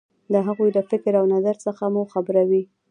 د هغو له فکر او نظر څخه مو خبروي.